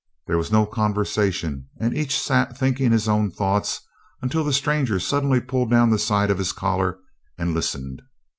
There was no conversation, and each sat thinking his own thoughts until the stranger suddenly pulled down the side of his collar and listened.